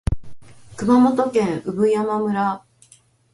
熊本県産山村